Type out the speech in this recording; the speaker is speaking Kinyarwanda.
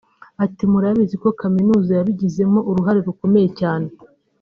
Ati “ Murabizi ko Kaminuza yabigizemo uruhare rukomeye cyane